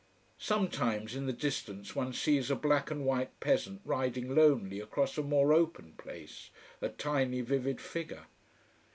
Sometimes, in the distance one sees a black and white peasant riding lonely across a more open place, a tiny vivid figure.